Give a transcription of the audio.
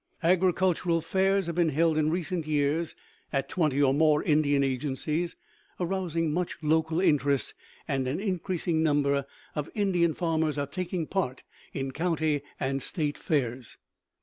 Agricultural fairs have been held in recent years at twenty or more Indian agencies, arousing much local interest, and an increasing number of Indian farmers are taking part in county and state fairs.